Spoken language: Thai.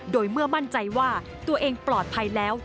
โดยเมื่อมั่นใจว่าตัวเองปลอดภัยแล้ว